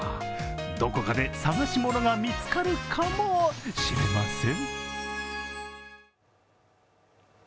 どこかで探し物が見つかるかもしれません。